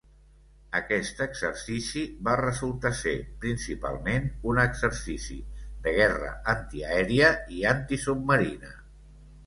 Aquest exercici va resultar ser, principalment, un exercici de guerra antiaèria i antisubmarina.